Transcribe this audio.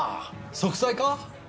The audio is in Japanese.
息災か？